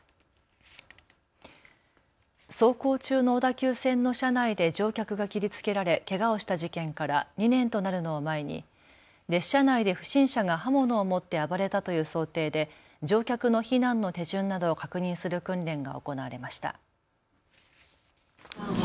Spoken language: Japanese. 走行中の小田急線の車内で乗客が切りつけられ、けがをした事件から２年となるのを前に列車内で不審者が刃物を持って暴れたという想定で乗客の避難の手順などを確認する訓練が行われました。